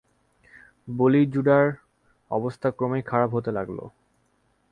বলি-জুডার অবস্থা ক্রমেই খারাপ হতে লাগল।